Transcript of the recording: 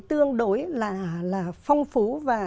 tương đối là phong phú